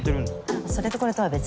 あっそれとこれとは別。